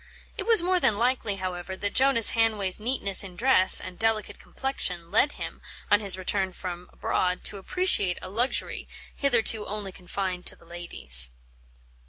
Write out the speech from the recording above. It was more than likely, however, that Jonas Hanway's neatness in dress and delicate complexion led him, on his return from abroad, to appreciate a luxury hitherto only confined to the ladies.